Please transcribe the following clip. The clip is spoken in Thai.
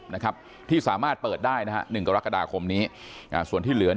นะครับที่สามารถเปิดได้นะฮะ๑กรกฎาคมนี้ส่วนที่เหลือ